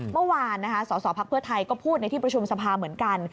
เมื่อวานสสพไทยก็พูดในที่ประชุมสภาเหมือนกัน